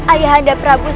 ayah anda prabu